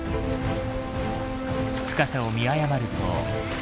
深さを見誤ると。